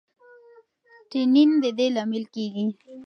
ټینین د دې لامل کېږي.